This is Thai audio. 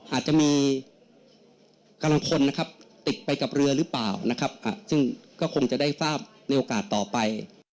อาจจะมีกำลังพลนะครับติดไปกับเรือหรือเปล่านะครับซึ่งก็คงจะได้ทราบในโอกาสต่อไป